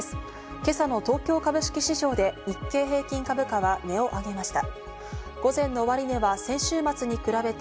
今朝の東京株式市場で日経平均株価は値を上げました。